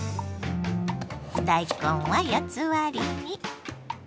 大根は４つ割りに。